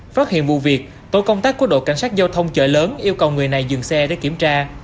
phát hiện vụ việc tổ công tác của đội cảnh sát giao thông chợ lớn yêu cầu người này dừng xe để kiểm tra